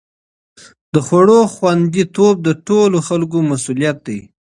د خوړو خوندي توب د ټولو خلکو مسؤلیت دی.